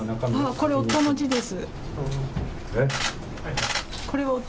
これは夫の字です。